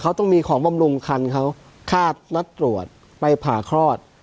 เขาต้องมีของบำรุงคันเขาคาดนัดตรวจไปผ่าคลอด